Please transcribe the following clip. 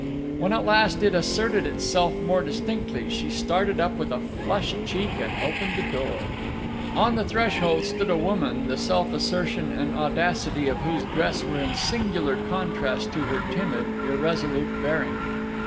When at last it asserted itself more distinctly, she started up with a flushed cheek and opened the door. On the threshold stood a woman the self assertion and audacity of whose dress were in singular contrast to her timid, irresolute bearing.